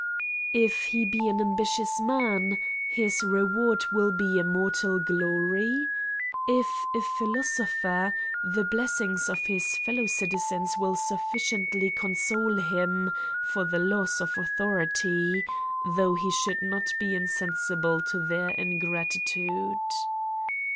If he be an ambitious man, his reward will be immortal glory f if a philosopher, the blessings of his fellow citizens will sufficiently console him for the loss of authority, though he should not be insensible to their ingratitude.